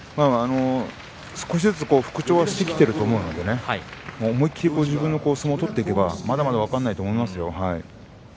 少しずつ復調してきていると思うので思い切り自分の相撲を取っていけばまだまだ分からないと思いますよ。